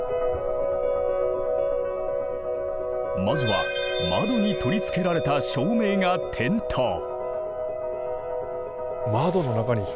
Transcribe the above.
まずは窓に取り付けられた照明が点灯。